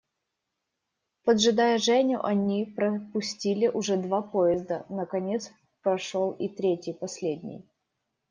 Поджидая Женю, они пропустили уже два поезда, наконец прошел и третий, последний.